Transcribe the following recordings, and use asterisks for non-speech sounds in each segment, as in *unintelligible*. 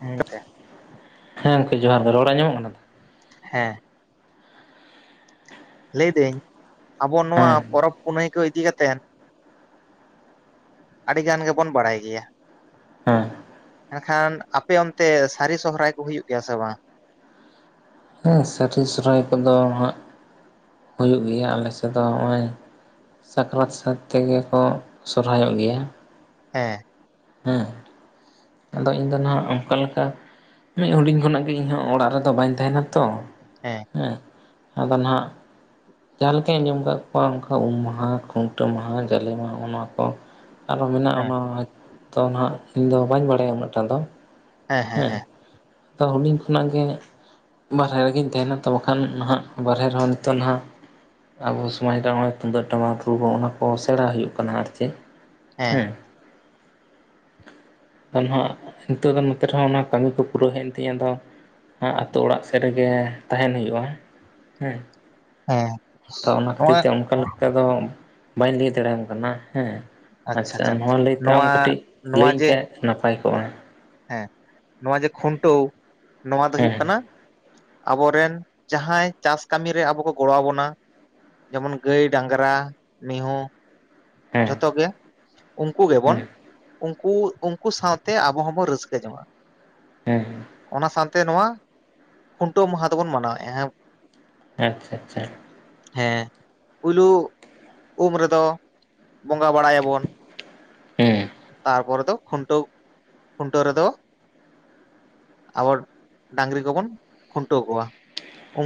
ᱦᱮᱸ ᱜᱚᱝᱠᱮ ᱦᱮᱸ ᱜᱚᱝᱠᱮ ᱡᱚᱦᱟᱨ ᱜᱮ᱾ ᱨᱚᱲ ᱟᱸᱡᱚᱢᱚᱜ ᱠᱟᱱᱟ ᱛᱚ? ᱦᱮᱸ, ᱞᱟᱹᱭᱫᱤᱧ ᱟᱵᱚ ᱱᱚᱣᱟ ᱦᱮᱸ ᱯᱚᱨᱚᱵᱽ ᱯᱩᱱᱟᱹᱭ ᱠᱚ ᱤᱫᱤ ᱠᱟᱛᱮᱫ ᱟᱹᱰᱤ ᱜᱟᱱ ᱜᱮᱵᱚᱱ ᱵᱟᱲᱟᱭ ᱜᱮᱭᱟ, ᱦᱮᱸ ᱢᱮᱱᱱᱠᱷᱟᱱ ᱟᱯᱮ ᱚᱱᱛᱮ ᱥᱟᱹᱨᱤ ᱥᱚᱦᱚᱨᱟᱭ ᱠᱚ ᱦᱩᱭᱩᱜ ᱜᱮᱭᱟ ᱥᱮ ᱵᱟᱝ? ᱦᱮᱸ ᱥᱟᱹᱨᱤ ᱥᱚᱨᱦᱟᱭ ᱠᱚᱫᱚ ᱦᱟᱸᱜ ᱦᱩᱭᱩᱜ ᱜᱮᱭᱟ ᱟᱞᱮ ᱥᱮᱫ ᱫᱚ ᱱᱚᱜᱼᱚᱭ ᱥᱟᱠᱨᱟᱛ ᱥᱟᱛ ᱛᱮᱜᱮ ᱠᱚ ᱥᱚᱦᱚᱨᱟᱭᱚᱜ ᱜᱮᱭᱟ᱾ ᱦᱮᱸ, ᱦᱮᱸ, ᱟᱫᱚ ᱤᱧ ᱫᱚ ᱦᱟᱸᱜ ᱚᱱᱠᱟ ᱞᱮᱠᱟ ᱢᱤᱫ ᱦᱩᱰᱤᱧ ᱠᱷᱚᱱᱟᱜ ᱜᱮ ᱤᱧᱦᱚᱸ ᱚᱲᱟᱜ ᱨᱮᱫᱚ ᱵᱟᱹᱧ ᱛᱟᱦᱮᱸᱱᱟ ᱛᱚ᱾ ᱦᱮᱸ᱾ ᱦᱮᱸ ᱟᱫᱚ ᱱᱟᱦᱟᱸᱜ ᱡᱟᱸᱦᱟ ᱞᱮᱠᱟᱧ ᱟᱸᱡᱚᱢ ᱠᱟᱫ ᱠᱚᱣᱟ ᱚᱱᱠᱟ ᱩᱢ ᱢᱟᱦᱟ ᱠᱷᱩᱱᱴᱟᱹᱣ ᱢᱟᱦᱟ ᱡᱟᱞᱮ ᱢᱟᱦᱟ ᱚᱱᱟ ᱠᱚ ᱟᱨᱦᱚ ᱢᱮᱱᱟᱜᱼᱟ ᱦᱮᱸ ᱚᱱᱟ ᱫᱚ ᱱᱟᱦᱟᱸᱜ ᱤᱧᱫᱚ ᱵᱟᱹᱧ ᱵᱟᱲᱟᱭᱟ ᱩᱱᱟᱹᱜ ᱴᱟ ᱫᱚ ᱦᱮᱸ ᱟᱫᱚ ᱦᱩᱰᱤᱧ ᱠᱷᱚᱱᱟᱜ ᱜᱮ ᱵᱟᱨᱦᱮ ᱨᱮᱜᱮᱧ ᱛᱟᱦᱮᱸᱱᱟ ᱛᱚ ᱵᱟᱠᱷᱟᱱ ᱱᱟᱦᱟᱸᱜ ᱵᱟᱨᱦᱮ ᱨᱮᱦᱚᱸ ᱱᱤᱛᱚᱜ ᱱᱟᱦᱟᱸᱜ ᱟᱵᱚ ᱥᱚᱢᱟᱡᱽ ᱨᱮ ᱱᱚᱜᱼᱚᱭ ᱛᱩᱢᱫᱟᱜ ᱴᱟᱢᱟᱠ ᱨᱩ ᱚᱱᱟ ᱠᱚ ᱥᱮᱬᱟ ᱦᱩᱭᱩᱜ ᱠᱟᱱᱟ ᱟᱨᱠᱤ ᱦᱮᱸ᱾ ᱟᱨᱦᱟᱸᱜ ᱱᱤᱛᱚᱜ ᱫᱚ ᱱᱚᱛᱮ ᱨᱮᱦᱚᱸ ᱚᱱᱟ ᱠᱟᱹᱢᱤ ᱠᱚ ᱯᱩᱨᱟᱹᱣ ᱦᱮᱡ ᱮᱱ ᱛᱤᱧᱟᱹ ᱟᱫᱚ ᱟᱛᱩ ᱚᱲᱟᱜ ᱥᱮᱫ ᱨᱮᱜᱮ ᱛᱟᱦᱮᱸᱱ ᱦᱩᱭᱩᱜᱼᱟ ᱦᱩᱸ᱾ ᱦᱮᱸ ᱛᱚ ᱚᱱᱟ ᱠᱷᱟᱹᱛᱤᱨ ᱱᱚᱣᱟ ᱛᱮ ᱚᱱᱠᱟ ᱞᱮᱠᱟ ᱫᱚ ᱵᱟᱹᱧ ᱞᱟᱹᱭ ᱫᱟᱲᱮᱣᱟᱢ ᱠᱟᱱᱟ ᱦᱮᱸ᱾ ᱟᱪᱪᱷᱟ ᱱᱚᱣᱟ ᱞᱟᱹᱭᱛᱮ ᱟᱢ ᱠᱟᱹᱴᱤᱡ ᱱᱚᱣᱟ ᱞᱟᱹᱭᱟᱹᱧ ᱡᱮ ᱠᱷᱟᱡ ᱱᱟᱯᱟᱭ ᱠᱚᱜᱼᱟ᱾ ᱦᱮᱸ ᱱᱚᱣᱟ ᱡᱮ ᱠᱷᱩᱱᱴᱟᱹᱣ ᱱᱚᱣᱟ ᱫᱚ ᱦᱩᱭᱩᱜ ᱦᱮᱸ ᱠᱟᱱᱟ ᱟᱵᱚᱨᱮᱱ ᱡᱟᱸᱦᱟᱭ ᱪᱟᱥ ᱠᱟᱹᱢᱤ ᱨᱮ ᱟᱵᱚ ᱠᱚ ᱜᱚᱲᱚ ᱟᱵᱚᱱᱟ ᱡᱮᱢᱚᱱ ᱜᱟᱹᱭ, ᱰᱟᱝᱨᱟ, ᱢᱤᱦᱩᱸ ᱦᱮᱸ ᱡᱷᱚᱛᱚ ᱜᱮ ᱩᱱᱠᱩ ᱜᱮᱵᱚᱱ ᱦᱮᱸ ᱩᱱᱠᱩ ᱩᱱᱠᱩ ᱥᱟᱶᱛᱮ ᱟᱵᱚ ᱦᱚᱸᱵᱚᱱ ᱨᱟᱹᱥ ᱠᱟᱹ ᱡᱚᱝᱟᱜ‍ᱼᱟ᱾ ᱦᱮᱸ᱾ ᱚᱱᱟ ᱥᱟᱶᱛᱮ ᱱᱚᱣᱟ ᱠᱷᱩᱱᱴᱟᱹᱣ ᱢᱟᱦᱟ ᱫᱚᱵᱚᱱ ᱢᱟᱱᱟᱣᱮᱫᱼᱟ᱾ ᱟᱪᱪᱷᱟ ᱟᱪᱪᱷᱟ᱾ ᱦᱮᱸ ᱯᱩᱭᱞᱩ ᱩᱢ ᱨᱮᱫᱚ ᱵᱚᱸᱜᱟ ᱵᱟᱲᱟᱭᱟᱵᱚᱱ᱾ ᱦᱩᱸ᱾ ᱛᱟᱨ ᱯᱚᱨᱮ ᱫᱚ ᱠᱷᱩᱱᱴᱟᱹᱣ ᱠᱷᱩᱱᱴᱟᱹᱣ ᱨᱮᱫᱚ ᱟᱵᱟᱨ ᱰᱟᱹᱝᱨᱤ ᱠᱚᱵᱚᱱ ᱠᱷᱩᱱᱴᱟᱹᱣ ᱠᱚᱣᱟ᱾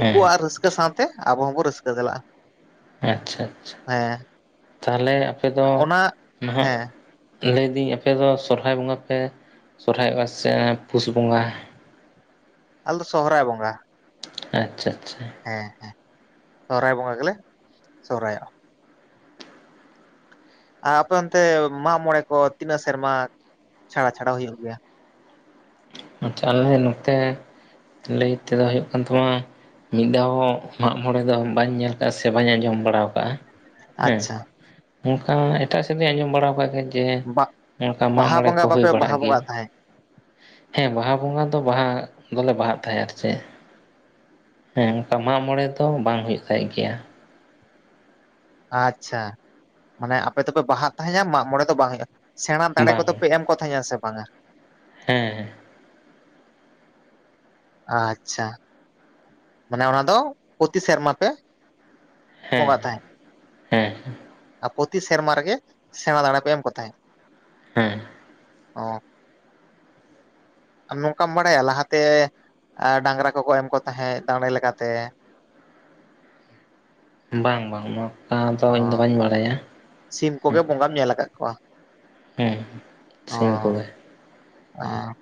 ᱦᱮᱸ ᱨᱟᱹᱥᱠᱟᱹ ᱥᱟᱶᱛᱮ ᱟᱵᱚ ᱦᱚᱸᱵᱚᱱ ᱨᱟᱹᱥᱠᱟᱹ ᱪᱟᱞᱟᱜᱼᱟ᱾ ᱟᱪᱪᱷᱟ ᱟᱪᱪᱷᱟ, ᱦᱮᱸ ᱛᱟᱦᱚᱞᱮ ᱟᱯᱮ ᱫᱚ ᱚᱱᱟ ᱱᱟᱦᱟᱸᱜ ᱦᱮᱸ ᱞᱟᱹᱭᱫᱟᱹᱧ ᱟᱯᱮᱫᱚ ᱥᱚᱨᱦᱟᱭ ᱵᱚᱸᱜᱟ ᱯᱮ ᱥᱚᱦᱚᱨᱟᱭᱚᱜᱼᱟ ᱥᱮ ᱯᱩᱥ ᱵᱚᱸᱜᱟ? ᱟᱞᱮ ᱫᱚ ᱥᱚᱦᱚᱨᱟᱭ ᱵᱚᱸᱜᱟ᱾ ᱟᱪᱪᱷᱟ ᱟᱪᱪᱷᱟ᱾ ᱦᱮᱸ ᱦᱮᱸ ᱥᱚᱦᱚᱨᱟᱭ ᱵᱚᱸᱜᱟ ᱜᱮᱞᱮ ᱥᱚᱦᱚᱨᱟᱭᱚᱜᱼᱟ᱾ ᱟᱨ ᱟᱯᱮ ᱚᱱᱛᱮ ᱢᱟᱜ ᱢᱚᱬᱮ ᱠᱚ ᱛᱤᱱᱟᱹᱜ ᱥᱮᱨᱢᱟ ᱪᱷᱟᱲᱟ ᱪᱷᱟᱲᱟ ᱦᱩᱭᱩᱜ ᱜᱮᱭᱟ? ᱟᱪᱪᱷᱟ ᱟᱞᱮ ᱱᱚᱛᱮ ᱞᱟᱹᱭ ᱛᱮᱫᱚ ᱦᱩᱭᱩᱜ ᱠᱟᱱ ᱛᱟᱢᱟ ᱢᱤᱫ ᱫᱷᱟᱣ ᱦᱚᱸ ᱢᱟᱜ-ᱢᱚᱬᱮ ᱫᱚ ᱵᱟᱹᱧ ᱧᱮᱞ ᱠᱟᱜᱼᱟ ᱥᱮ ᱵᱟᱹᱧ ᱟᱸᱡᱚᱢ ᱵᱟᱲᱟ ᱠᱟᱜᱼᱟ᱾ ᱦᱮᱸ ᱟᱪᱪᱷᱟ ᱚᱱᱠᱟ ᱮᱴᱟᱜ ᱥᱮᱫ ᱫᱚᱧ ᱟᱸᱡᱚᱢ ᱵᱟᱲᱟ ᱠᱟᱜ ᱜᱮᱭᱟ ᱵᱟ ᱡᱮ ᱱᱚᱝᱠᱟ ᱢᱟᱜ ᱵᱟᱦᱟ ᱢᱚᱬᱮ ᱵᱚᱸᱜᱟ ᱠᱚ ᱦᱩᱭ ᱵᱟᱯᱮ ᱵᱟᱦᱟ ᱵᱟᱲᱟᱜ ᱜᱮᱭᱟ, ᱵᱚᱸᱜᱟᱜ ᱛᱟᱦᱮᱸᱫ ᱦᱮᱸ ᱵᱟᱦᱟ ᱵᱚᱸᱜᱟ ᱫᱚ ᱵᱟᱦᱟ ᱫᱚᱞᱮ ᱵᱟᱦᱟᱜ ᱛᱟᱦᱮᱸ ᱟᱨ ᱪᱮᱫ ᱦᱮᱸ ᱚᱱᱠᱟ ᱢᱟᱜ ᱢᱚᱬᱮ ᱫᱚ ᱵᱟᱝ ᱦᱩᱭᱩᱜ ᱛᱟᱦᱮᱸ ᱜᱮᱭᱟ᱾ ᱟᱪᱪᱷᱟ, ᱢᱟᱱᱮ ᱟᱯᱮ ᱫᱚᱯᱮ ᱵᱟᱦᱟᱜ ᱛᱟᱦᱮᱸᱱᱟ ᱢᱟᱜᱽ ᱢᱚᱬᱮ ᱫᱚ ᱵᱟᱝ ᱦᱩᱭᱩᱜᱼᱟ? ᱥᱮᱬᱟ ᱫᱟᱲᱮ ᱵᱟᱝ ᱠᱚᱫᱚ ᱯᱮ ᱮᱢ ᱠᱚ ᱛᱟᱦᱮᱸ ᱥᱮ ᱵᱟᱝᱟ? ᱦᱮᱸ᱾ ᱟᱪᱪᱷᱟ, ᱢᱟᱱᱮ ᱚᱱᱟ ᱫᱚ ᱯᱨᱚᱛᱤ ᱥᱮᱨᱢᱟ ᱯᱮ ᱦᱮᱸ ᱵᱚᱸᱜᱟ ᱛᱟᱦᱮᱸᱫ? ᱦᱮᱸ ᱟᱨ ᱯᱨᱚᱛᱤ ᱥᱮᱨᱢᱟ ᱨᱮᱜᱮ ᱥᱮᱬᱟ ᱫᱟᱸᱬᱮ ᱯᱮ ᱮᱢ ᱠᱚ ᱛᱟᱦᱮᱸᱫ? ᱦᱮᱸ᱾ ᱚ ᱟᱨ ᱱᱚᱝᱠᱟᱢ ᱵᱟᱲᱟᱭᱟ ᱞᱟᱦᱟᱛᱮ ᱟ ᱰᱟᱝᱨᱟ ᱠᱚᱠᱚ ᱮᱢ ᱠᱚ ᱛᱟᱦᱮᱸᱫ ᱫᱟᱲᱮ ᱞᱮᱠᱟᱛᱮ? ᱵᱟᱝ ᱵᱟᱝ ᱱᱚᱠᱟ ᱫᱚ ᱚ ᱤᱧᱫᱚ ᱵᱟᱹᱧ ᱵᱟᱲᱟᱭᱟ᱾ ᱥᱤᱢ ᱠᱚᱜᱮ ᱵᱚᱸᱜᱟᱢ ᱧᱮᱞ ᱠᱟᱜ ᱠᱚᱣᱟ᱾ ᱦᱮᱸ ᱥᱤᱢ ᱠᱚᱜᱮ᱾ ᱚ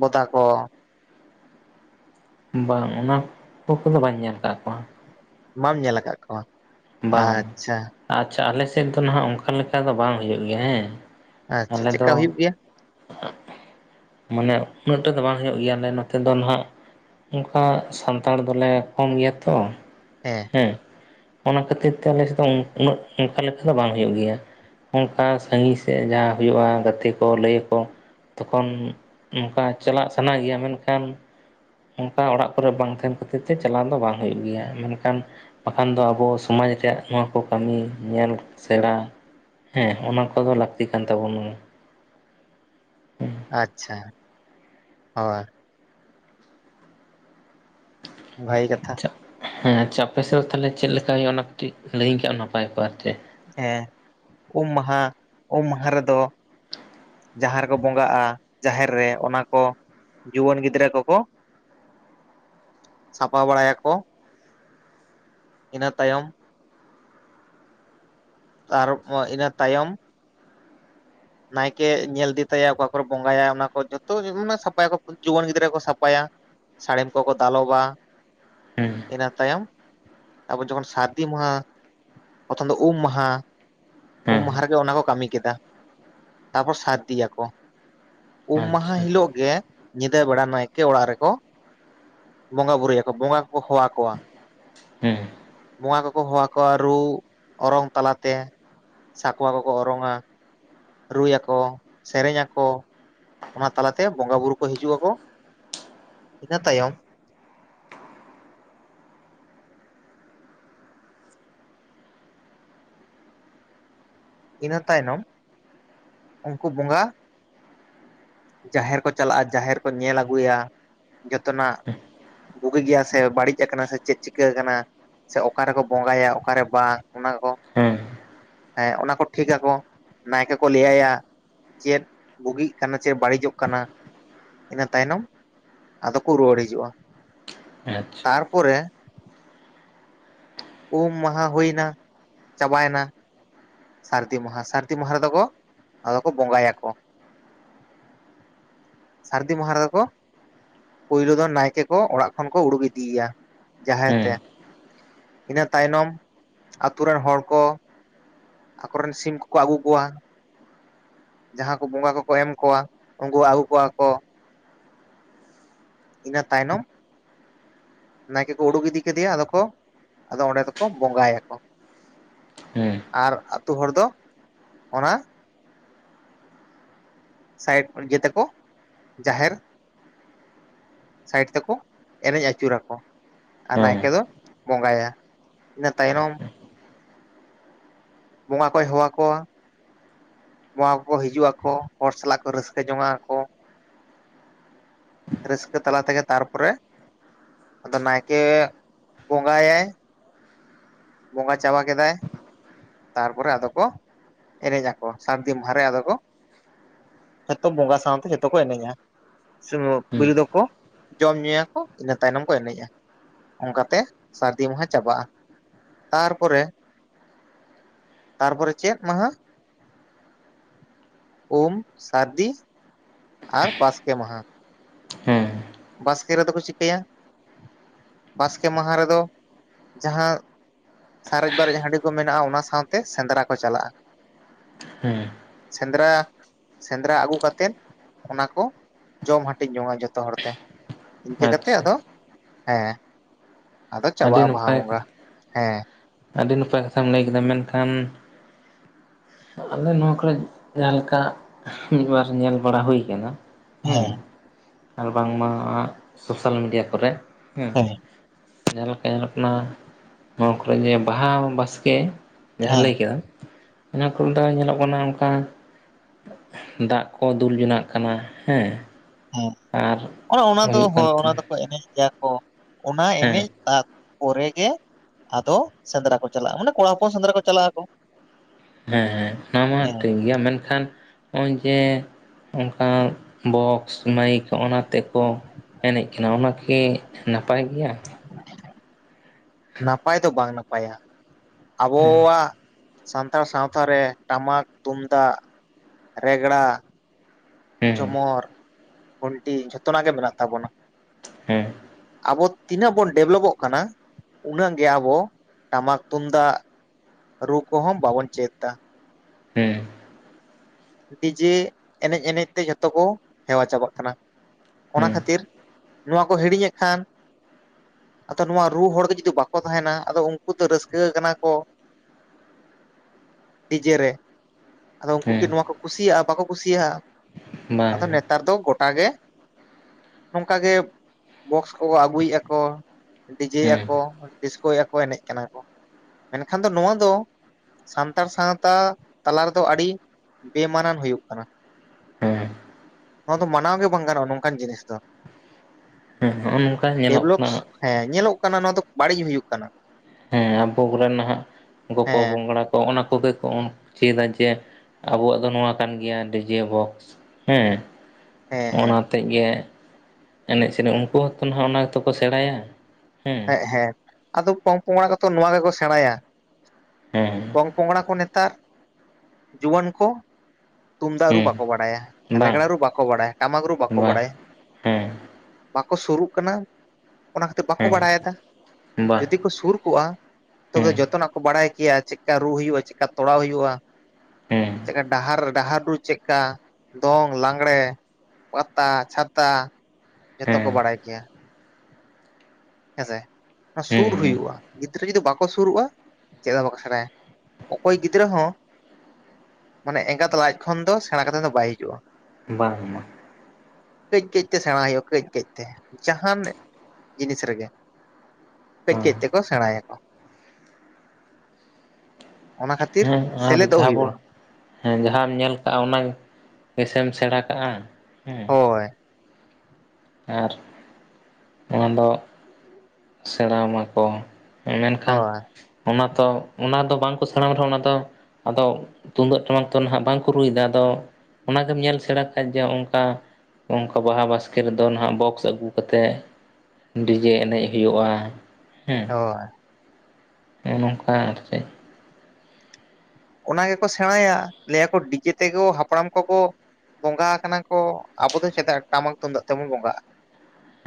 ᱵᱚᱫᱟ ᱠᱚ᱾ ᱵᱟᱝ ᱚᱱᱟ ᱠᱚ ᱠᱚᱫᱚ ᱵᱟᱹᱧ ᱧᱮᱞ ᱠᱟᱜ ᱠᱚᱣᱟ᱾ ᱵᱟᱢ ᱧᱮᱞ ᱠᱟᱜ ᱠᱚᱣᱟ᱾ ᱵᱟᱝ ᱟᱪᱪᱷᱟ ᱟᱪᱪᱷᱟ ᱟᱞᱮ ᱥᱮᱜ ᱫᱚ ᱦᱟᱸᱜ ᱚᱝᱠᱟ ᱞᱮᱠᱟ ᱫᱚ ᱵᱟᱝ ᱦᱳᱭᱳᱜ ᱜᱮᱭᱟ ᱦᱮᱸ᱾ ᱟᱪᱪᱷᱟ ᱟᱞᱮ ᱪᱮᱫᱠᱟ ᱫᱚ ᱦᱩᱭᱩᱜ *unintelligible* ᱢᱟᱱᱮ ᱩᱱᱟᱹᱜ ᱴᱟ ᱫᱚ ᱵᱟᱝ ᱦᱳᱭᱳᱜ ᱜᱮᱭᱟᱞᱮ ᱱᱚᱛᱮ ᱫᱚ ᱱᱟᱦᱟᱜ᱾ ᱚᱝᱠᱟ ᱥᱟᱱᱛᱟᱲ ᱫᱚᱞᱮ ᱠᱚᱢ ᱜᱮᱭᱟ ᱛᱚ᱾ ᱦᱮᱸ ᱦᱮᱸ ᱚᱱᱟ ᱠᱷᱟᱹᱛᱤᱨ ᱛᱮ ᱟᱞᱮᱥᱮᱫ ᱩᱱᱟᱹᱜ ᱚᱝᱠᱟ ᱞᱮᱠᱟ ᱫᱚ ᱵᱟᱝ ᱦᱳᱭᱳᱜ ᱜᱮᱭᱟ᱾ ᱚᱝᱠᱟ ᱥᱟᱺᱜᱤᱧ ᱥᱮᱫ ᱡᱟᱦᱟᱸ ᱦᱳᱭᱳᱜᱼᱟ ᱜᱟᱛᱮ ᱠᱚ ᱞᱟᱹᱭ ᱠᱚ᱾ ᱛᱚᱠᱷᱚᱱ ᱚᱝᱠᱟ ᱪᱟᱞᱟᱜ ᱥᱟᱱᱟ ᱜᱮᱭᱟ ᱢᱮᱱᱠᱷᱟᱱ ᱚᱝᱠᱟ ᱚᱲᱟᱜ ᱠᱚᱨᱮᱜ ᱵᱟᱝ ᱛᱟᱦᱮᱱ ᱠᱷᱟᱹᱛᱤᱨ ᱛᱮ ᱪᱟᱞᱟᱣ ᱫᱚ ᱵᱟᱝ ᱦᱳᱭᱳᱜ ᱜᱮᱭᱟ ᱢᱮᱱᱠᱷᱟᱱ ᱵᱟᱠᱷᱟᱱ ᱫᱚ ᱟᱵᱚ ᱥᱚᱢᱟᱡᱽ ᱨᱮᱭᱟᱜ ᱱᱚᱣᱟ ᱠᱚ ᱠᱟᱹᱢᱤ ᱧᱮᱞ ᱥᱮᱬᱟ ᱦᱮᱸ ᱚᱱᱟ ᱠᱚᱫᱚ ᱞᱟᱹᱠᱛᱤ ᱠᱟᱱ ᱛᱟᱵᱚᱱᱟ᱾ ᱟᱪᱪᱷᱟ ᱦᱳᱭ᱾ ᱵᱷᱟᱹᱜᱮ ᱠᱟᱛᱷᱟ᱾ ᱟᱪᱪᱷᱟ ᱦᱮᱸ ᱟᱪᱪᱷᱟ ᱟᱯᱮᱥᱮᱜ ᱛᱟᱦᱚᱞᱮ ᱪᱮᱜ ᱞᱮᱠᱟ ᱦᱳᱭᱳᱜᱼᱟ ᱚᱱᱟ ᱠᱟᱹᱴᱤᱡ ᱞᱟᱹᱭᱟᱹᱧ ᱠᱷᱟᱜ ᱱᱟᱯᱟᱭ ᱠᱚᱜᱼᱟ ᱟᱨᱛᱮ? ᱦᱮᱸ ᱩᱢ ᱢᱟᱦᱟ ᱩᱢ ᱢᱟᱦᱟ ᱨᱮᱫᱚ ᱡᱟᱦᱟᱸ ᱨᱮᱠᱚ ᱵᱚᱸᱜᱟ ᱟ ᱡᱟᱦᱮᱨ ᱨᱮ ᱚᱱᱟ ᱠᱚ ᱡᱩᱣᱚᱱ ᱜᱤᱫᱽᱨᱟᱹ ᱠᱚᱠᱚ ᱥᱟᱯᱟ ᱵᱟᱲᱟᱭᱟᱠᱚ ᱤᱱᱟᱹ ᱛᱟᱭᱚᱢ ᱟᱨ ᱤᱱᱟᱹ ᱛᱟᱭᱚᱢ ᱱᱟᱭᱠᱮ ᱧᱮᱞ ᱤᱫᱤ ᱛᱟᱭᱟᱭᱟ ᱚᱠᱟ ᱠᱚᱨᱮ ᱵᱚᱸᱜᱟᱭᱟ ᱚᱱᱟ ᱠᱚ ᱡᱚᱛᱚ *unintelligible* ᱡᱩᱣᱟᱹᱱ ᱜᱤᱫᱽᱨᱟᱹ ᱠᱚ ᱥᱟᱯᱷᱟᱭᱟ ᱥᱟᱹᱲᱤᱢ ᱠᱚᱠᱚ ᱫᱟᱞᱚᱵᱟ᱾ ᱦᱩᱸ ᱤᱱᱟᱹ ᱛᱟᱭᱚᱢ, ᱛᱟᱯᱚᱨ ᱡᱚᱠᱷᱚᱱ ᱥᱟᱹᱨᱫᱤ ᱢᱟᱦᱟ ᱯᱨᱚᱛᱷᱚᱢ ᱫᱚ ᱩᱢ ᱢᱟᱦᱟ᱾ ᱩᱢ ᱦᱮᱸ ᱢᱟᱦᱟ ᱨᱮᱜᱮ ᱚᱱᱟ ᱠᱚ ᱠᱟᱹᱢᱤ ᱠᱮᱫᱟ᱾ ᱛᱟᱯᱚᱨ ᱥᱟᱹᱨᱫᱤᱭᱟ ᱠᱚ ᱩᱢ ᱢᱟᱦᱟ ᱟᱪᱪᱷᱟ ᱦᱤᱞᱳᱜ ᱜᱮ ᱧᱤᱫᱟᱹ ᱵᱮᱲᱟ ᱱᱟᱭᱠᱮ ᱚᱲᱟᱜ ᱨᱮᱠᱚ ᱵᱚᱸᱜᱟ ᱵᱩᱨᱩᱭᱟᱠᱚ ᱵᱚᱸᱜᱟ ᱠᱚ ᱦᱚᱣᱟ ᱠᱚᱣᱟ᱾ ᱦᱮᱸ ᱵᱚᱸᱜᱟ ᱠᱚᱠᱚ ᱦᱚᱦᱚᱣᱟ ᱠᱚᱣᱟ ᱨᱩ ᱚᱨᱚᱝ ᱛᱟᱞᱟᱛᱮ᱾ ᱥᱟᱠᱣᱟ ᱠᱚᱠᱚ ᱚᱨᱚᱝᱼᱟ᱾ ᱨᱩᱭᱟᱠᱚ ᱥᱮᱨᱮᱧ ᱟᱠᱚ᱾ ᱚᱱᱟ ᱛᱟᱞᱟᱛᱮ ᱵᱚᱸᱜᱟ ᱵᱩᱨᱩ ᱠᱚ ᱦᱤᱡᱩᱜ ᱟᱠᱚ ᱤᱱᱟᱹ ᱛᱟᱭᱚᱢ ᱤᱱᱟᱹ ᱛᱟᱭᱱᱚᱢ ᱩᱝᱠᱩ ᱵᱚᱸᱜᱟ ᱡᱟᱦᱮᱨ ᱠᱚ ᱪᱟᱞᱟᱜᱼᱟ ᱡᱟᱦᱮᱨ ᱠᱚ ᱧᱮᱞ ᱟᱹᱜᱩᱭᱟ ᱡᱚᱛᱚᱱᱟᱜ ᱵᱩᱜᱤ ᱜᱮᱭᱟ ᱥᱮ ᱵᱟᱹᱲᱤᱡ ᱟᱠᱟᱱᱟ ᱥᱮ ᱪᱮᱜ ᱪᱤᱠᱟᱹ ᱠᱟᱱᱟ᱾ ᱥᱮ ᱚᱠᱟᱨᱮᱠᱚ ᱵᱚᱸᱜᱟᱭᱟ ᱚᱠᱟᱨᱮ ᱵᱟᱝ ᱚᱱᱟ ᱠᱚ ᱦᱮᱸ ᱦᱮᱸ ᱚᱱᱟ ᱠᱚ ᱴᱷᱤᱠ ᱟᱠᱚ ᱱᱟᱭᱠᱮ ᱠᱚ ᱞᱟᱹᱭᱟᱭᱟ᱾ ᱪᱮᱫ ᱵᱩᱜᱤᱜ ᱠᱟᱱᱟ ᱪᱮᱜ ᱵᱟᱹᱲᱤᱡᱚᱜ ᱠᱟᱱᱟ᱾ ᱤᱱᱟᱹ ᱛᱟᱭᱱᱚᱢ ᱟᱫᱚ ᱠᱚ ᱨᱩᱣᱟᱹᱲ ᱦᱤᱡᱩᱜᱼᱟ᱾ ᱟᱪᱪᱷᱟ ᱛᱟᱨᱯᱚᱨᱮ ᱟ ᱩᱢ ᱢᱟᱦᱟ ᱦᱩᱭᱱᱟ ᱪᱟᱵᱟᱭ ᱮᱱᱟ ᱾ ᱥᱟᱨᱫᱤ ᱢᱟᱦᱟ ᱥᱟᱨᱫᱤ ᱢᱟᱦᱟ ᱨᱮᱫᱚ ᱠᱚ ᱟᱫᱚ ᱠᱚ ᱵᱚᱸᱜᱟᱭᱟ ᱠᱚ᱾ ᱥᱟᱨᱫᱤ ᱢᱟᱦᱟ ᱨᱮᱫᱚ ᱠᱚ ᱯᱳᱭᱞᱳ ᱫᱚ ᱱᱟᱭᱠᱮ ᱠᱚ ᱚᱲᱟᱜ ᱠᱷᱚᱱ ᱠᱚ ᱩᱲᱩᱠ ᱤᱫᱤᱭᱭᱟ ᱡᱟᱦᱮᱨ ᱦᱮᱸ ᱛᱮ ᱾ ᱤᱱᱟᱹ ᱛᱟᱭᱱᱚᱢ ᱟᱛᱩ ᱨᱮᱱ ᱦᱚᱲ ᱠᱚ ᱟᱠᱚ ᱨᱮᱱ ᱥᱤᱢ ᱠᱚᱠᱚ ᱟᱜᱩ ᱠᱚᱣᱟ ᱾ ᱡᱟᱦᱟᱸ ᱠᱚ ᱵᱚᱸᱜᱟ ᱠᱚᱠᱚ ᱮᱢ ᱠᱚᱣᱟ ᱩᱝᱠᱳ ᱟᱜᱩ ᱠᱚᱣᱟ ᱠᱚ ᱾ ᱤᱱᱟᱹ ᱛᱟᱭᱱᱚᱢ ᱱᱟᱭᱠᱮ ᱠᱚ ᱩᱲᱩᱠ ᱤᱫᱤ ᱠᱮᱫᱮᱭᱟ ᱟᱫᱚ ᱠᱚ ᱟᱫᱚ ᱚᱸᱰᱮ ᱫᱚᱠᱚ ᱵᱚᱸᱜᱟᱭᱟ ᱠᱚ᱾ ᱦᱩᱸ ᱟᱨ ᱟᱹᱛᱳ ᱦᱚᱲ ᱫᱚ ᱚᱱᱟ ᱥᱟᱭᱤᱰ ᱡᱮᱛᱮ ᱠᱚ ᱡᱟᱦᱮᱨ ᱥᱟᱭᱤᱴ ᱛᱮᱠᱚ ᱮᱱᱮᱡ ᱟᱹᱪᱩᱨᱟ ᱠᱚ ᱾ ᱦᱮᱸ ᱟᱨ ᱦᱮᱸ ᱱᱟᱭᱠᱮ ᱫᱚ ᱵᱚᱸᱜᱟᱭᱟ ᱤᱱᱟᱹ ᱛᱟᱭᱱᱚᱢ ᱵᱚᱸᱜᱟ ᱠᱚᱭ ᱦᱚᱦᱚ ᱟᱠᱚᱣᱟ ᱾ ᱵᱚᱸᱜᱟ ᱠᱚᱠᱚ ᱦᱤᱡᱩᱜ ᱟᱠᱚ ᱦᱚᱲ ᱥᱟᱞᱟᱜ ᱠᱚ ᱨᱟᱹᱥᱠᱟᱹ ᱡᱚᱝᱟ ᱠᱚ ᱾ ᱨᱟᱹᱥᱠᱟᱹ ᱛᱟᱞᱟ ᱛᱮᱜᱮ ᱛᱟᱨᱯᱚᱨᱮ ᱟᱫᱚ ᱱᱟᱭᱠᱮ ᱵᱚᱸᱜᱟᱭᱟᱭ ᱾ ᱵᱚᱸᱜᱟ ᱪᱟᱵᱟ ᱠᱮᱫᱟᱭ ᱾ ᱛᱟᱨᱯᱚᱨᱮ ᱟᱫᱚ ᱠᱚ ᱮᱱᱮᱡ ᱟᱠᱚ ᱥᱟᱨᱫᱤ ᱢᱟᱦᱟ ᱨᱮ ᱟᱫᱚ ᱠᱚ ᱦᱮᱛᱚ ᱵᱚᱸᱜᱟ ᱥᱟᱶᱛᱮ ᱡᱷᱚᱛᱚ ᱠᱚ ᱮᱱᱮᱡᱼᱟ *unintelligible* ᱯᱩᱭᱞᱩ ᱫᱚᱠᱚ ᱡᱚᱢ ᱧᱩᱭᱟ ᱠᱚ ᱤᱱᱟᱹ ᱛᱟᱭᱱᱚᱢ ᱠᱚ ᱮᱱᱮᱡᱼᱟ᱾ ᱚᱝᱠᱟᱛᱮ ᱥᱟᱨᱫᱤ ᱢᱟᱦᱟ ᱪᱟᱵᱟᱜᱼᱟ ᱾ ᱛᱟᱨᱯᱚᱨᱮ ᱛᱟᱨᱯᱚᱨᱮ ᱪᱮᱫ ᱢᱟᱦᱟ ᱩᱢ, ᱥᱟᱨᱫᱤ ᱟᱨ ᱵᱟᱥᱠᱮ ᱢᱟᱦᱟ᱾ ᱦᱮᱸ ᱵᱟᱥᱠᱮ ᱨᱮᱫᱚ ᱠᱚ ᱪᱤᱠᱟᱹᱭᱟ ᱵᱟᱥᱠᱮ ᱢᱟᱦᱟ ᱨᱮᱫᱚ ᱡᱟᱦᱟᱸ ᱥᱟᱨᱮᱡ ᱵᱟᱨᱮᱡ ᱦᱟᱺᱰᱤ ᱠᱚ ᱢᱮᱱᱟᱜᱼᱟ ᱚᱱᱟ ᱥᱟᱶᱛᱮ ᱥᱮᱸᱫᱽᱨᱟ ᱠᱚ ᱪᱟᱞᱟᱜᱼᱟ᱾ ᱦᱩᱸ ᱥᱮᱸᱫᱽᱨᱟ ᱥᱮᱸᱫᱽᱨᱟ ᱟᱹᱜᱩ ᱠᱟᱛᱮᱫ ᱚᱱᱟ ᱠᱚ ᱡᱚᱢ ᱦᱟᱹᱴᱤᱧ ᱡᱚᱝᱼᱟ ᱡᱷᱚᱛᱚ ᱦᱚᱲ ᱛᱮ ᱾ ᱤᱝᱠᱟᱹ ᱠᱟᱛᱮᱜ ᱟᱪᱪᱷᱟ ᱟᱫᱚ ᱦᱮᱸ ᱟᱫᱚ ᱟᱹᱰᱤ ᱪᱟᱵᱟᱜᱼᱟ ᱵᱟᱦᱟ ᱱᱟᱯᱟᱭ ᱵᱚᱸᱜᱟ ᱦᱮᱸ ᱟᱹᱰᱤ ᱱᱟᱯᱟᱭ ᱠᱟᱛᱷᱟᱢ ᱞᱟᱹᱭ ᱠᱮᱫᱟ ᱢᱮᱱᱠᱷᱟᱱ ᱟᱞᱮ ᱱᱚᱣᱟ ᱠᱚᱨᱮ ᱡᱟᱦᱟᱸ ᱞᱮᱠᱟ ᱢᱤᱫᱵᱟᱨ ᱧᱮᱞ ᱵᱟᱲᱟ ᱦᱳᱭ ᱠᱟᱱᱟ ᱾ ᱦᱩᱸ ᱦᱮᱸ ᱟᱨ ᱵᱟᱝᱢᱟ ᱥᱳᱥᱟᱞ ᱢᱤᱰᱤᱭᱟ ᱠᱚᱨᱮ ᱦᱩᱸ ᱦᱮᱸ ᱡᱟᱦᱟᱸ ᱞᱮᱠᱟ ᱧᱮᱞᱚᱜ ᱠᱟᱱᱟ ᱱᱚᱣᱟ ᱠᱚᱨᱮ ᱡᱮ ᱵᱟᱦᱟ ᱵᱟᱥᱠᱮ ᱡᱟᱦᱟᱸ ᱦᱮᱸ ᱞᱟᱹᱭ ᱠᱮᱫᱟᱢ ᱾ *unintelligible* ᱧᱮᱞᱚᱜ ᱠᱟᱱᱟ ᱚᱱᱠᱟ ᱫᱟᱜ ᱠᱚ ᱫᱩᱞ ᱡᱚᱱᱟᱜ ᱠᱟᱱᱟ ᱦᱮᱸ ᱾ ᱦᱮᱸ ᱚᱱᱮ ᱚᱱᱟᱫᱚ ᱦᱳ ᱠᱟᱱ ᱚᱱᱟ ᱛᱟᱢᱟ ᱫᱚᱠᱚ ᱮᱱᱮᱡ ᱜᱮᱭᱟ ᱠᱚ ᱚᱱᱟ ᱦᱮᱸ ᱮᱱᱮᱡ ᱛᱟᱯᱚᱨᱮ ᱜᱮ ᱟᱫᱚ ᱥᱮᱸᱫᱽᱨᱟ ᱠᱚ ᱪᱟᱞᱟᱜᱼᱟ ᱢᱟᱱᱮ ᱠᱚᱲᱟ ᱦᱚᱯᱚᱱ ᱥᱮᱸᱫᱽᱨᱟ ᱠᱚ ᱪᱟᱞᱟᱜ ᱟᱠᱚ ᱾ ᱦᱮᱸ ᱦᱮᱸ ᱢᱟ ᱴᱷᱤᱠ ᱜᱮᱭᱟ ᱢᱮᱱᱠᱷᱟᱱ ᱦᱚᱜᱼᱚᱭ ᱡᱮ ᱚᱱᱠᱟ ᱵᱚᱠᱥ ᱢᱟᱭᱤᱠ ᱦᱚᱜᱼᱚ ᱱᱟ ᱛᱮᱠᱚ ᱮᱱᱮᱡ ᱠᱟᱱᱟ ᱚᱱᱟᱠᱤ ᱱᱟᱯᱟᱭ ᱜᱤᱭᱟ? ᱱᱟᱯᱟᱭ ᱫᱚ ᱵᱟᱝ ᱱᱟᱯᱟᱭᱟ ᱾ *inaudible* ᱟᱵᱚᱣᱟᱜ ᱥᱟᱱᱛᱟᱲ ᱥᱟᱶᱛᱟ ᱨᱮ ᱴᱟᱢᱟᱠ, ᱛᱩᱢᱫᱟᱜ, *inaudible* ᱨᱮᱜᱽᱲᱟ ᱦᱮᱸ ᱡᱷᱚᱢᱚᱨ, *inaudible* ᱠᱷᱩᱱᱴᱤ ᱡᱷᱚᱛᱚᱱᱟᱜ ᱜᱮ ᱢᱮᱱᱟᱜ ᱛᱟᱵᱚᱱᱟ᱾ *inaudible* ᱦᱩᱸ ᱾ ᱟᱵᱚ ᱛᱤᱱᱟᱹᱜ ᱵᱚᱱ ᱰᱮᱵᱽᱞᱚᱵᱚᱜ ᱠᱟᱱᱟ ᱩᱱᱟᱹᱜ ᱜᱮ ᱟᱵᱚ ᱴᱟᱢᱟᱠ ᱛᱩᱢᱫᱟᱜ *inaudible* ᱨᱩ ᱠᱚᱦᱚᱸ ᱵᱟᱵᱚᱱ ᱪᱮᱫ ᱮᱫᱟ᱾ ᱦᱩᱸ ᱾ ᱰᱤᱡᱮ ᱮᱱᱮᱡ ᱮᱱᱮᱡ ᱛᱮ ᱡᱷᱚᱛᱚ ᱠᱚ ᱦᱮᱣᱟ ᱪᱟᱵᱟᱜ ᱠᱟᱱᱟ ᱾ ᱚᱱᱟ ᱦᱮᱸ ᱠᱷᱟᱹᱛᱤᱨ ᱱᱚᱣᱟ ᱠᱚ ᱦᱤᱲᱤᱧᱮᱜ ᱠᱷᱟᱱ ᱟᱫᱚ ᱱᱚᱣᱟ ᱨᱩ ᱦᱚᱲ ᱜᱮ ᱡᱩᱫᱤ ᱵᱟᱠᱚ ᱛᱟᱦᱮᱱᱟ ᱟᱫᱚ ᱩᱱᱠᱩ ᱫᱚ ᱨᱟᱹᱥᱠᱟᱹ ᱟᱠᱟᱱᱟ ᱠᱚ ᱰᱤᱡᱮ ᱨᱮ ᱾ *inaudible* ᱟᱫᱚ ᱩᱱᱠᱩ ᱠᱤ ᱦᱮᱸ ᱱᱚᱣᱟ ᱠᱚ ᱠᱩᱥᱤᱭᱟᱜᱼᱟ ᱵᱟᱠᱚ ᱠᱩᱥᱤᱭᱟᱜᱼᱟ ᱾ *inaudible* ᱵᱟᱝ ᱟᱫᱚ ᱱᱮᱛᱟᱨ ᱫᱚ ᱜᱚᱴᱟᱜ ᱜᱮ *inaudible* ᱱᱚᱝᱠᱟ ᱜᱮ ᱵᱚᱠᱥ ᱠᱚᱠᱚ ᱟᱹᱜᱩᱭᱮᱫ-ᱟ ᱠᱚ ᱰᱤᱡᱮ ᱮᱫ ᱦᱮᱸ ᱟᱠᱚ ᱰᱤᱥᱠᱳ ᱮᱫ-ᱟ ᱠᱚ ᱮᱱᱮᱡ ᱠᱟᱱᱟ ᱠᱚ ᱾ ᱢᱮᱱᱠᱷᱟᱱ ᱫᱚ ᱱᱚᱣᱟ ᱫᱚ ᱥᱟᱱᱛᱟᱲ ᱥᱟᱶᱛᱟ ᱛᱟᱞᱟ ᱨᱮᱫᱚ ᱟᱹᱰᱤ ᱵᱮ ᱢᱟᱱᱟᱱ ᱦᱩᱭᱩᱜ ᱠᱟᱱᱟ ᱾ ᱦᱮᱸ ᱱᱚᱣᱟ ᱫᱚ ᱢᱟᱱᱟᱣ ᱜᱮ ᱵᱟᱝ ᱜᱟᱱᱚᱜ-ᱟ ᱱᱚᱝᱠᱟᱱ ᱡᱤᱱᱤᱥ ᱫᱚ ᱾ ᱦᱮᱸ ᱱᱚᱜᱼᱚ ᱱᱚᱝᱠᱟ *inaudible* ᱧᱮᱞᱚᱜ ᱰᱮᱵᱷᱞᱚᱯᱥ ᱠᱟᱱᱟ ᱦᱮᱸ ᱧᱮᱞᱚᱜ ᱠᱟᱱᱟ ᱱᱚᱣᱟ ᱫᱚ ᱵᱟᱹᱲᱤᱡ ᱦᱩᱭᱩᱜ ᱠᱟᱱᱟ ᱾ ᱦᱮᱸ ᱟᱵᱚ ᱠᱚᱨᱮᱱ ᱱᱟᱦᱟᱜ ᱦᱮᱸ *unintelligible* ᱛᱚ ᱚᱱᱟ ᱠᱚᱜᱮ ᱠᱚ ᱩᱱᱠᱩ ᱠᱚ ᱪᱮᱫᱟ ᱡᱮ ᱟᱵᱚᱣᱟᱜ ᱫᱚ ᱱᱚᱣᱟ ᱠᱟᱱ ᱜᱮᱭᱟ ᱰᱤᱡᱮ ᱵᱚᱠᱥ ᱾ ᱦᱮᱸ ᱾ ᱦᱮᱸ ᱦᱮᱸ ᱚᱱᱟᱛᱮ ᱜᱮ *inaudible* ᱮᱱᱮᱡ ᱥᱮᱨᱮᱧ ᱩᱱᱠᱩ ᱦᱚᱸᱛᱚ ᱱᱟᱜ ᱚᱱᱟ ᱜᱮᱛᱚ ᱠᱚ ᱥᱮᱬᱟᱭᱟ ᱦᱮᱸ᱾ ᱦᱮᱸ ᱦᱮᱸ ᱟᱫᱚ ᱯᱚᱝ-ᱯᱚᱝᱲᱟ ᱠᱚᱛᱚ ᱱᱚᱣᱟ ᱜᱮᱠᱚ ᱥᱮᱬᱟᱭᱟ ᱾ ᱦᱮᱸ ᱾ ᱯᱚᱝ ᱯᱚᱝᱲᱟ ᱠᱚ ᱱᱮᱛᱟᱨ *inaudible* ᱡᱩᱣᱟᱹᱱ ᱠᱚ ᱛᱩᱢᱫᱟᱜ ᱨᱩ ᱦᱮᱸ ᱵᱟᱠᱚ ᱵᱟᱲᱟᱭᱟ ᱵᱟᱝ ᱨᱮᱜᱽᱲᱟ ᱨᱩ ᱵᱟᱠᱚ ᱵᱟᱲᱟᱭᱟ ᱴᱟᱢᱟᱠ ᱨᱩ ᱵᱟᱠᱚ ᱵᱟᱝ ᱵᱟᱲᱟᱭᱟ ᱾ ᱦᱮᱸ ᱵᱟᱠᱚ ᱥᱩᱨᱩᱜ ᱠᱟᱱᱟ *inaudible* ᱚᱱᱟ ᱠᱷᱟᱹᱛᱤᱨ ᱵᱟᱠᱚ ᱦᱮᱸ ᱵᱟᱲᱟᱭᱮᱫᱟ *inaudible* ᱵᱟᱝ ᱡᱩᱫᱤ ᱠᱚ ᱥᱩᱨ ᱠᱚᱜ-ᱟ ᱛᱚᱵᱮ ᱦᱮᱸ ᱡᱚᱛᱚᱱᱟᱜ ᱠᱚ ᱵᱟᱲᱟᱭ ᱠᱮᱭᱟ ᱪᱮᱫᱠᱟ ᱨᱩ ᱦᱩᱭᱩᱜ-ᱟ ᱪᱮᱫᱠᱟ ᱛᱚᱲᱟᱣ ᱦᱩᱭᱩᱜ-ᱟ ᱾ ᱦᱮᱸ *inaudible* ᱪᱮᱫᱠᱟ ᱰᱟᱦᱟᱨ ᱰᱟᱦᱟᱨ ᱨᱩ ᱪᱮᱫᱠᱟ ᱫᱚᱝ ᱞᱟᱜᱽᱲᱮ ᱯᱟᱛᱟ ᱪᱷᱟ ᱛᱟ *inaudible* ᱡᱷᱚᱛᱚ ᱠᱚ ᱦᱮᱸ ᱵᱟᱲᱟᱭ ᱜᱮᱭᱟ ᱾ ᱦᱮᱸᱥᱮ ᱚᱱᱟ ᱥᱩᱨ ᱦᱮᱸ ᱦᱩᱭᱩᱜ-ᱟ ᱜᱤᱫᱽᱨᱟᱹ ᱡᱩᱫᱤ ᱵᱟᱠᱚ ᱥᱩᱨᱩᱜ-ᱟ ᱪᱮᱫ ᱦᱚᱸ ᱵᱟᱠᱚ ᱥᱮᱬᱟᱭᱟ ᱾ ᱚᱠᱚᱭ ᱜᱤᱫᱽᱨᱟᱹ ᱦᱚᱸ *inaudible* ᱢᱟᱱᱮ ᱮᱸᱜᱟᱛ ᱞᱟᱡ ᱠᱷᱚᱱ ᱫᱚ ᱥᱮᱬᱟ ᱠᱟᱛᱮ ᱫᱚ ᱵᱟᱭ ᱦᱤᱡᱩᱜ-ᱟ ᱾ ᱵᱟᱝ ᱵᱟ ᱠᱟᱹᱡ ᱠᱟᱹᱡ ᱛᱮ ᱥᱮᱬᱟ ᱦᱩᱭᱩᱜ-ᱟ ᱠᱟᱹᱡ ᱠᱟᱹᱡ ᱛᱮ ᱾ ᱡᱟᱦᱟᱱ ᱡᱤᱱᱤᱥ ᱨᱮᱜᱮ *inaudible* ᱠᱟᱹᱡ ᱦᱮᱸ ᱠᱟᱹᱡ ᱛᱮᱠᱚ ᱥᱮᱬᱟᱭᱟᱠᱚ ᱾ *inaudible* ᱚᱱᱟ ᱠᱷᱟᱹᱛᱤᱨ ᱦᱮᱸ ᱟᱨ ᱥᱮᱞᱮᱫᱚᱜ ᱡᱟᱦᱟᱸ ᱵᱚᱱ ᱦᱩᱭᱩᱜ-ᱟ ᱾ ᱦᱮᱸ ᱡᱟᱦᱟᱸᱢ ᱧᱮᱞ ᱠᱟᱜ-ᱟ ᱚᱱᱟ *inaudible* ᱜᱮᱥᱮᱢ ᱥᱮᱬᱟ ᱠᱟᱜ-ᱟ ᱦᱮᱸ ᱾ ᱦᱳᱭ ᱟᱨ *inaudible* ᱚᱱᱟ ᱫᱚ *inaudible* ᱥᱮᱬᱟ ᱟᱢᱟᱠᱚ ᱾ ᱢᱮᱱᱠᱷᱟᱱ ᱦᱳᱭ ᱚᱱᱟ ᱛᱚ ᱚᱱᱟ ᱫᱚ ᱵᱟᱝᱠᱚ ᱥᱮᱬᱟ ᱟᱢ ᱨᱮᱦᱚᱸ ᱚᱱᱟ ᱫᱚ ᱟᱫᱚ ᱛᱩᱢᱫᱟᱹᱜ ᱴᱟᱢᱟᱠ ᱛᱚ ᱱᱟᱦᱟᱜ ᱵᱟᱝᱠᱚ ᱨᱩᱭ ᱮᱫᱟ ᱾ ᱟᱫᱚ ᱚᱱᱟᱜᱮᱢ ᱧᱮᱞ ᱥᱮᱬᱟ *unintelligible* ᱡᱮ ᱚᱱᱠᱟ ᱚᱱᱠᱟ ᱵᱟᱦᱟ ᱵᱟᱥ ᱠᱮ ᱨᱮᱫᱚ ᱱᱟᱦᱟᱜ ᱵᱚᱠᱥ ᱟᱹᱜᱩ ᱠᱟᱛᱮᱫ ᱰᱤᱡᱮ ᱮᱱᱮᱡ ᱦᱩᱭᱩᱜ-ᱟ ᱦᱩ ᱸ᱾ ᱦᱳᱭ ᱾ ᱱᱚᱜ-ᱚ ᱱᱚᱝᱠᱟ ᱟᱨ ᱪᱮᱫ ᱾ ᱚᱱᱟ ᱜᱮᱠᱚ ᱥᱮᱬᱟᱭᱟ ᱞᱟᱹᱭ ᱟᱠᱚ ᱰᱤᱡᱮ ᱛᱮᱜᱮ ᱦᱟᱯᱲᱟᱢ ᱠᱚᱠᱚ ᱵᱚᱸᱜᱟ ᱟᱠᱟᱱᱟ ᱠᱚ ᱟᱵᱚ ᱫᱚ ᱪᱮᱫᱟᱜ ᱴᱟᱢᱟᱠ ᱛᱩᱢᱟᱜ ᱛᱮᱵᱚᱱ ᱵᱚᱸᱜᱟᱜᱼᱟ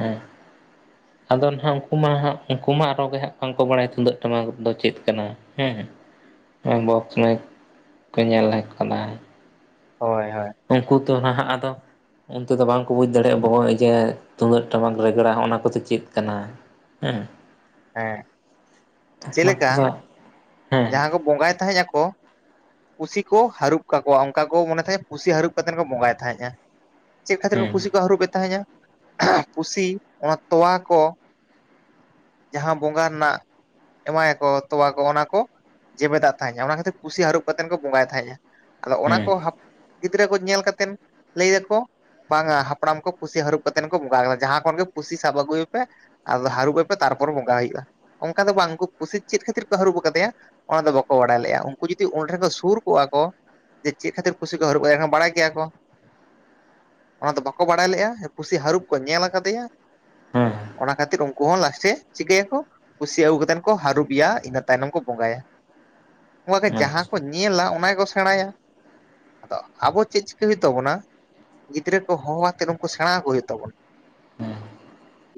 ᱦᱮᱸ ᱟᱫᱚ ᱱᱟᱦᱟᱜ ᱩᱱᱠᱩ ᱢᱟ ᱦᱟᱜ ᱩᱱᱠᱩ ᱢᱟ ᱟᱨᱚ ᱜᱮ ᱦᱟᱸᱟᱜ ᱵᱟᱝᱠᱚ ᱵᱟᱲᱟᱭᱟ ᱛᱩᱢᱫᱟᱹᱜ ᱴᱟᱢᱟᱠ ᱫᱚ ᱪᱮᱫ ᱠᱟᱱᱟ? ᱦᱮᱸ ᱵᱚᱠᱥ ᱢᱟᱭᱤᱠ ᱠᱚ ᱧᱮᱞ ᱟᱠᱟᱫᱟᱭ᱾ ᱦᱳᱭ ᱦᱳᱭ᱾ ᱩᱱᱠᱩ ᱫᱚ ᱱᱟᱦᱟᱜ ᱟᱫᱚᱼᱼ ᱚᱱᱛᱮ ᱫᱚ ᱵᱟᱝᱠᱚ ᱵᱩᱡᱽ ᱫᱟᱲᱮᱭᱟᱜᱼᱟ ᱟᱵᱚ ᱡᱮ ᱛᱩᱢᱫᱟᱹᱜ ᱴᱟᱢᱟᱠ ᱨᱮᱜᱽᱲᱟ ᱚᱱᱟ ᱠᱚᱫᱚ ᱪᱮᱫ ᱠᱟᱱᱟ? ᱦᱮᱸ᱾ ᱦᱮᱸ ᱪᱮ ᱚᱱᱟ ᱞᱮᱠᱟ ᱠᱚᱫᱚ ᱦᱮᱸ ᱡᱟᱦᱟᱸ ᱠᱚ ᱵᱚᱸᱜᱟᱭ ᱛᱟᱦᱮᱸᱫ ᱟᱠᱚᱼᱼ ᱯᱩᱥᱤ ᱠᱚ ᱦᱟᱹᱨᱩᱵ ᱛᱟᱠᱚᱣᱟ ᱚᱱᱠᱟ ᱠᱚ ᱢᱚᱱᱮ ᱛᱟᱦᱮᱸᱜ ᱯᱩᱥᱤ ᱦᱟᱹᱨᱩᱵ ᱠᱟᱛᱮᱫ ᱠᱚ ᱵᱚᱸᱜᱟᱭ ᱛᱟᱦᱮᱸᱜᱼᱟ᱾ ᱪᱮᱫ ᱠᱷᱟᱹᱛᱤᱨ ᱠᱚ ᱦᱮᱸ ᱯᱩᱥᱤ ᱠᱚ ᱦᱟᱹᱨᱩᱵᱮ ᱛᱟᱦᱮᱱᱟ ᱯᱩᱥᱤ ᱚᱱᱟ ᱛᱚᱣᱟ ᱠᱚᱼᱼ ᱡᱟᱦᱟᱸ ᱵᱚᱸᱜᱟ ᱨᱮᱱᱟᱜ ᱮᱢᱟᱭᱟ ᱠᱚ ᱛᱚᱣᱟ ᱠᱚ ᱚᱱᱟ ᱠᱚᱼᱼ ᱡᱮᱵᱮᱫᱟᱜ ᱛᱟᱦᱮᱸ ᱚᱱᱟ ᱠᱷᱟᱹᱛᱤᱨ ᱯᱩᱥᱤ ᱦᱟᱹᱨᱩᱵ ᱠᱟ ᱠᱟᱛᱮᱫ ᱠᱚ ᱵᱚᱸᱜᱟᱭ ᱛᱟᱦᱮᱸᱫᱼᱟ ᱟᱫᱚ ᱚᱱᱟ ᱦᱮᱸ ᱠᱚᱼᱼ ᱜᱤᱫᱽᱨᱟᱹ ᱠᱚ ᱧᱮᱞ ᱠᱟᱛᱮᱱ ᱞᱟᱹᱭ ᱫᱟᱠᱚᱼᱼ ᱵᱟᱝᱟ ᱦᱟᱯᱲᱟᱢ ᱠᱚ ᱯᱩᱥᱤ ᱦᱟᱹᱨᱩᱵ ᱠᱟᱛᱮᱱ ᱠᱚ ᱵᱚᱸᱜᱟ ᱠᱟᱫᱟ ᱡᱟᱦᱟᱸ ᱠᱷᱚᱱ ᱜᱮ ᱯᱩᱥᱤ ᱥᱟᱵ ᱟᱹᱜᱩᱭᱮ ᱯᱮ ᱟᱫᱚ ᱦᱟᱹᱨᱩᱵ ᱮᱯᱮᱼᱼ ᱛᱟᱨᱯᱚᱨᱮ ᱵᱚᱸᱜᱟ ᱦᱩᱭᱩᱜᱼᱟ ᱚᱱᱠᱟ ᱫᱚ ᱵᱟᱝ ᱩᱱᱠᱩ ᱯᱩᱥᱤ ᱪᱮᱫ ᱠᱷᱟᱹᱛᱤᱨ ᱠᱚ ᱦᱟᱹᱨᱩᱵ ᱟᱠᱟᱫᱮᱭᱟ? ᱚᱱᱟ ᱫᱚ ᱵᱟᱠᱚ ᱵᱟᱲᱟᱭ ᱞᱮᱫᱼᱟ ᱩᱱᱠᱩ ᱡᱩᱫᱤ ᱚᱸᱰᱮ ᱴᱷᱮᱱ ᱠᱚ ᱥᱩᱨ ᱠᱚᱜᱼᱟ ᱠᱚᱼᱼ ᱡᱮ ᱪᱮᱫ ᱠᱷᱟᱹᱤᱨ ᱯᱩᱥᱤ ᱠᱚ ᱦᱟᱹᱨᱩᱵ ᱠᱟᱫᱮᱭᱟ ᱮᱸᱰᱮᱠᱷᱟᱱ ᱵᱟᱲᱟᱭ ᱜᱮᱭᱟ ᱠᱚᱼᱼ ᱚᱱᱟ ᱫᱚ ᱵᱟᱠᱚ ᱵᱟᱲᱟᱭ ᱞᱮᱜᱼᱟ ᱯᱩᱥᱤ ᱦᱟᱹᱨᱩᱵ ᱠᱚ ᱧᱮᱞ ᱟᱠᱟᱫᱮᱭᱟ ᱦᱮᱸ ᱚᱱᱟ ᱠᱷᱟᱹᱛᱤᱨ ᱩᱱᱠᱩ ᱦᱚᱸ ᱞᱟᱥᱼᱼ ᱥᱮ ᱪᱤᱠᱟᱹᱭᱟᱠᱚ ᱠᱩᱥᱤ ᱟᱹᱜᱩ ᱠᱟᱛᱮᱱ ᱠᱚ ᱦᱟᱹᱨᱩᱵᱤᱭᱟ ᱤᱱᱟᱹ ᱛᱟᱭᱱᱚᱢ ᱠᱚ ᱵᱚᱸᱜᱟᱭᱟ᱾ ᱚᱱᱠᱟ ᱜᱮ ᱡᱟᱦᱟᱸ ᱟᱪᱪᱷᱟ ᱠᱚ ᱧᱮᱞᱟ ᱚᱱᱟ ᱜᱮ ᱠᱚ ᱥᱮᱬᱟᱸᱭᱟ᱾ ᱟᱫᱚ ᱟᱵᱚ ᱪᱮᱫ ᱪᱤᱠᱟᱹᱭ ᱦᱩᱭᱩᱜ ᱛᱟᱵᱚᱱᱟ ᱜᱤᱫᱽᱨᱟᱹ ᱠᱚ ᱦᱚᱦᱚ ᱟᱛᱮᱫ ᱩᱱᱠᱩ ᱥᱮᱬᱟᱸ ᱟᱠᱚ ᱦᱩᱭᱩᱜ ᱛᱟᱵᱚᱱᱟ᱾ ᱦᱮᱸ